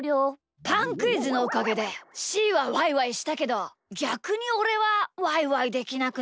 パンクイズのおかげでしーはワイワイしたけどぎゃくにおれはワイワイできなくなっちゃいました！